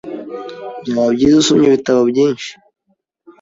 Byaba byiza usomye ibitabo byinshi.